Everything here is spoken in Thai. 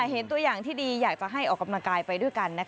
เห็นตัวอย่างที่ดีอยากจะให้ออกกำลังกายไปด้วยกัน